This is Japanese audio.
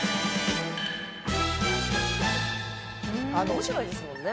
面白いですもんね。